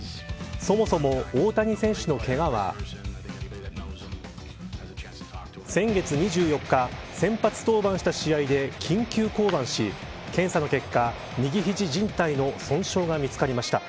そもそも、大谷選手のけがは先月２４日、先発登板した試合で緊急降板し検査の結果、右肘靱帯の損傷が見つかりました。